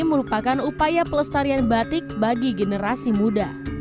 merupakan upaya pelestarian batik bagi generasi muda